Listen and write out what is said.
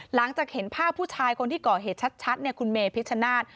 หลังจากเห็นภาพผู้ชายคนที่ก่อเหตุชัดคุณเมพิชชนาธิ์